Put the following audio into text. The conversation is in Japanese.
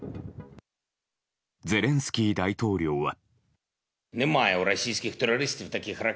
ゼレンスキー大統領は。